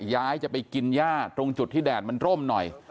ย้ายจะไปกินย่าตรงจุดที่แดดมันร่มหน่อย